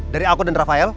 dari aku dan rafael